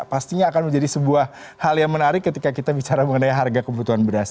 pastinya akan menjadi sebuah hal yang menarik ketika kita bicara mengenai harga kebutuhan beras